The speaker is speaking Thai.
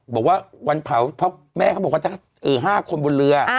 บอกว่าวันเผาเพราะแม่เขาบอกว่า๕คนบนเรือ